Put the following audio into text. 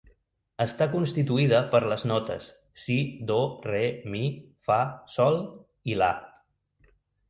Està constituïda per les notes si, do, re, mi, fa, sol, i la.